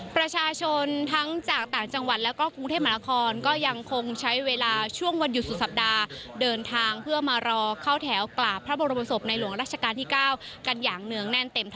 ประชาชนทั้งจากต่างจังหวัดและก็กรุงเทพมนาคม